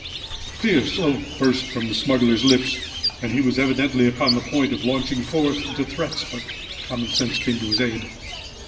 A fierce oath burst from the smuggler's lips, and he was evidently upon the point of launching forth into threats, but common sense came to his aid.